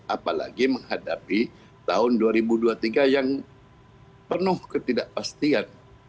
apalagi menghadapi tahun dua ribu dua puluh tiga yang penuh ketidakpastian